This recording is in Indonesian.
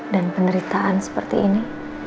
dan penderitaan seperti ini